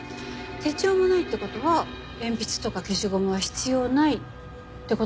手帳もないって事は鉛筆とか消しゴムは必要ないって事ですよね。